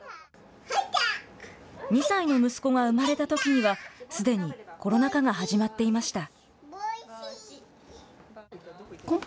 ２歳の息子が産まれたときには、すでにコロナ禍が始まっていました。